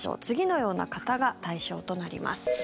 次のような方が対象となります。